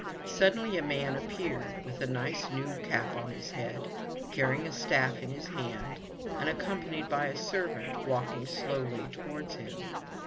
Suddenly a man appeared, with a nice new cap on his head, carrying a staff in his hand, and accompanied by a servant, walking slowly towards him.